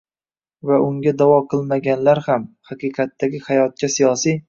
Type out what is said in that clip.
va unga da’vo qilmaganlar ham, “haqiqatdagi hayotga” siyosiy